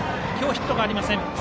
今日ヒットがありません